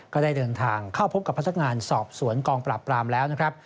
ก็ได้เดินทางเข้าพบกับพนักงานสอบสวนกองปราบปรามแล้วนะครับ